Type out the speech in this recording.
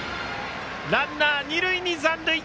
ランナー、二塁に残塁。